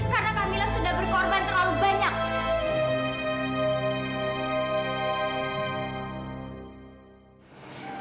karena kamila sudah berkorban terlalu banyak